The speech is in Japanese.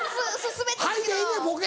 「『はい』でええねんボケ！」